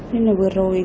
nên là vừa rồi